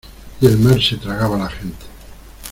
y el mar se tragaba la gente.